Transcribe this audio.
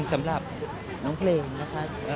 สำหรับน้องเพลงนะครับ